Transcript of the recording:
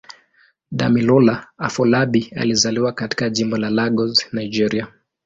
Damilola Afolabi alizaliwa katika Jimbo la Lagos, Nigeria.